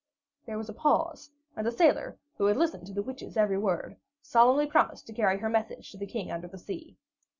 There was a pause, and the sailor, who had listened to the Witch's every word, solemnly promised to carry her message to the King under the Sea.